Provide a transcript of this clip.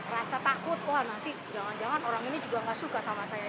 rasa takut wah nanti jangan jangan orang ini juga gak suka sama saya